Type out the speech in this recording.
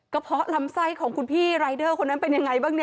เพาะลำไส้ของคุณพี่รายเดอร์คนนั้นเป็นยังไงบ้าง